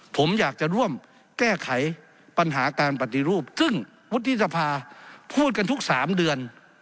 ผมอยากจะร่วมแก้ไขปัญหาการปฏิรูปซึ่งวุฒิสภาพูดกันทุก๓เดือน